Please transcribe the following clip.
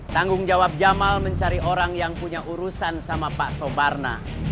tanggung jawab jamal mencari orang yang punya urusan sama pak sobarna